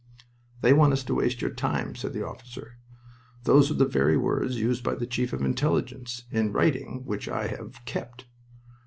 "They want us to waste your time," said the officer. "Those were the very words used by the Chief of Intelligence in writing which I have kept.